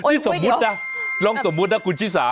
นี่สมมุตินะลองสมมุตินะคุณชิสา